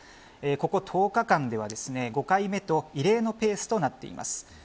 ここ１０日間では５回目と異例のペースとなっています。